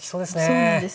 そうなんですね。